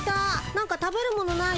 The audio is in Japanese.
なんか食べるものない？